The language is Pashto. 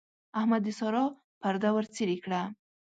احمد د سارا پرده ورڅېرې کړه.